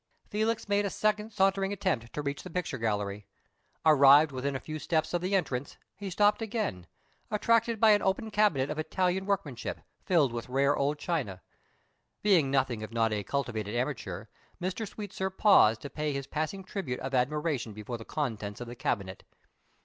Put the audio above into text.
Felix made a second sauntering attempt to reach the picture gallery. Arrived within a few steps of the entrance, he stopped again, attracted by an open cabinet of Italian workmanship, filled with rare old china. Being nothing if not a cultivated amateur, Mr. Sweetsir paused to pay his passing tribute of admiration before the contents of the cabinet.